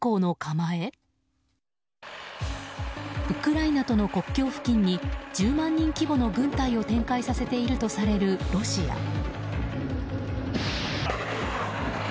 ウクライナとの国境付近に１０万人規模の軍隊を展開しているとされるロシア。